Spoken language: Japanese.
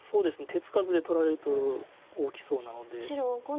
手つかずで取られると大きそうなので。